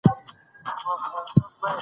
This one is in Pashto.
د مېلو له لاري خلک خپلي ستونزي هېروي.